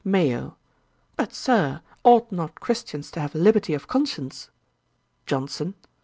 MAYO. 'But, Sir, ought not Christians to have liberty of conscience?' JOHNSON.